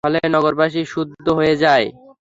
ফলে নগরবাসী স্তব্ধ হয়ে যায়।